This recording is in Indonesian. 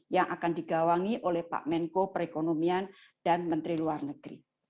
yang akan digawangi oleh pak menko perekonomian dan menteri luar negeri